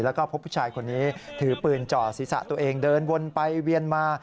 แล้วก็พบผู้ชายคนนี้ถือปืนจ่อศีรษะตัวเองเดินวนไปเวียนมา